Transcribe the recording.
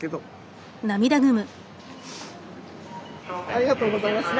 ありがとうございます。